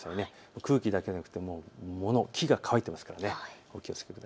空気だけじゃなくて木が乾いていますからね。